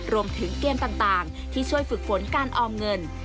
รวมถึงเกมต่างที่ช่วยฝึกฝนการออมเงิน